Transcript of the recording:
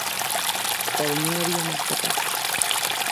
Pero non había marcha atrás.